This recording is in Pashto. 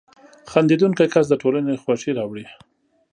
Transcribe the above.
• خندېدونکی کس د ټولنې خوښي راوړي.